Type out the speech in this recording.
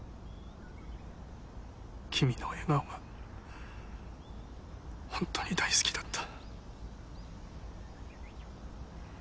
君の笑顔がホントに大好きだった。